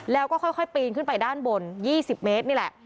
แล้วก็ค่อยปีนขึ้นไปด้านบน๒๐เมตรนี่แหละ